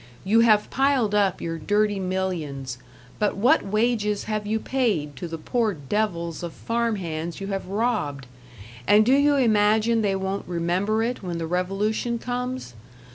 You have piled up your dirty millions, but what wages have you paid to the poor devils of farm hands you have robbed? And do you imagine they won't remember it when the revolution comes?